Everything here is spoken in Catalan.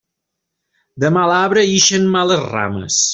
De mal arbre ixen males rames.